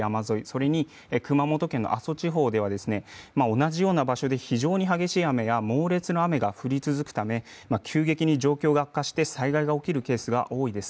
それに熊本県の阿蘇地方では同じような場所で非常に激しい雨や猛烈な雨が降り続くため急激に状況が悪化して災害が起きるケースが多いです。